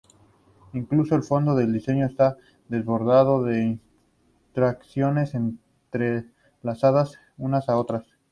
Incluso el fondo del diseño está desbordado de ilustraciones entrelazadas unas con otras.